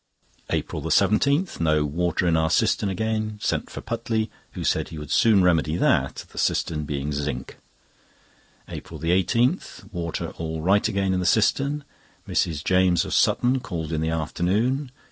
APRIL 17.—No water in our cistern again. Sent for Putley, who said he would soon remedy that, the cistern being zinc. APRIL 18.—Water all right again in the cistern. Mrs. James, of Sutton, called in the afternoon.